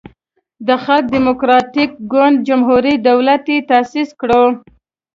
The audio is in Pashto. د خلق دیموکراتیک ګوند جمهوری دولت یی تاسیس کړو.